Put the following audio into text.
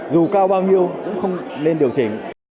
dù cao bao nhiêu cũng không nên điều chỉnh